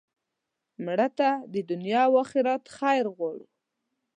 مړه ته د دنیا او آخرت خیر غواړو